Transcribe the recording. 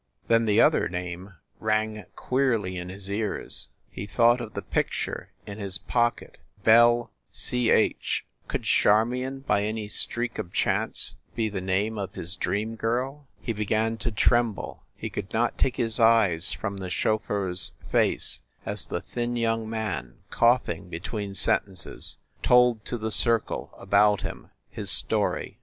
Then the other name rang queerly in his ears. He thought of the picture in his pocket "Belle Ch Could Charmion by any streak of chance be the name of his dream girl? He began to tremble; he could not take his eyes from the chauffeur s face, as the thin young man, coughing between sentences, told to the circle about him his story.